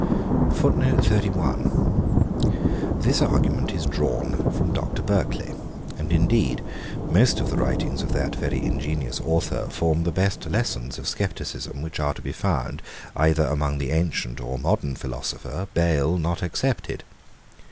This argument is drawn from Dr. Berkeley; and indeed most of the writings of that very ingenious author form the best lessons of scepticism, which are to be found either among the ancient or modern philosopher, Bayle not excepted.